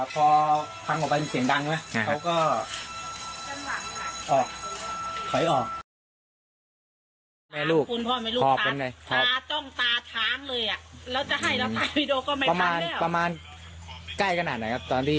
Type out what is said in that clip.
ก็พอทางออกไปเสียงดังนะ